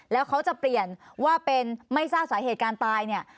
แล้วเขาจะเปลี่ยนว่าเป็นไม่ทราบสาเหตุการตายเนี่ย